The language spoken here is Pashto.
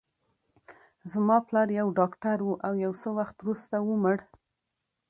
زما پلار یو ډاکټر و، او یو څه وخت وروسته ومړ.